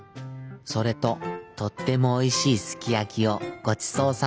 それととってもおいしいすきやきをごちそうさまでした。